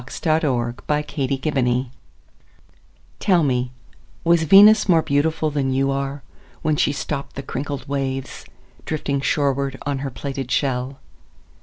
Venus Transiens By Amy Lowell TELL me, Was Venus more beautifulThan you are, When she stoppedThe crinkled waves, Drifting shorewardOn her plaited shell?